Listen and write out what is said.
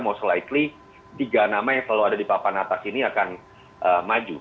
most likely tiga nama yang selalu ada di papan atas ini akan maju